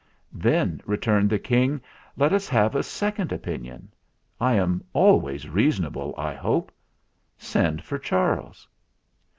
"Then," returned the King, "let us have a second opinion. I am always reasonable, I hope. Send for Charles